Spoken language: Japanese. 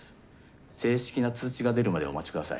正式な通知が出るまでお待ち下さい。